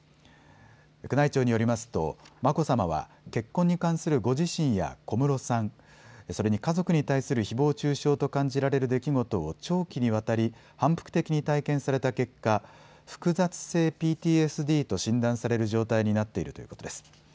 宮内庁によりますと眞子さまは結婚に関するご自身や小室さん、それに家族に対するひぼう中傷と感じられる出来事を長期にわたり反復的に体験された結果、複雑性ＰＴＳＤと診断される状態になっているということです。